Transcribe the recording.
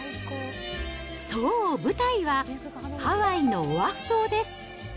そう、舞台はハワイのオアフ島です。